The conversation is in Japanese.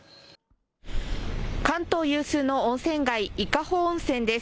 関東有数の温泉街、伊香保温泉です。